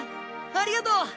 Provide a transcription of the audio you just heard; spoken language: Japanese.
ありがとう！